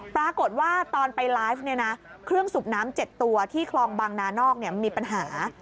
ปรากฏว่าตอนไปไลฟ์เนี่ยนะเครื่องสูบน้ำ๗ตัวที่คลองบางนานอกเนี่ยมันมีปัญหา